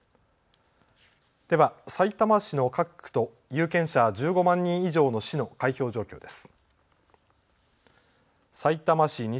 では、さいたま市の各区と有権者１５万人以上の市の開票状況です。